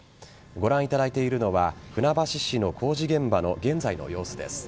ご覧いただいているのは船橋市の工事現場の現在の様子です。